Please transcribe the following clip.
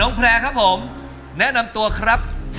แพร่ครับผมแนะนำตัวครับ